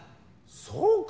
そうか？